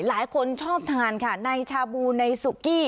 หลายคนชอบทานค่ะในชาบูในสุกี้